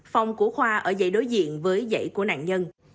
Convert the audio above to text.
phòng của khoa ở dãy đối diện với dãy của nạn nhân